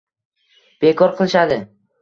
Bekor qilishadi.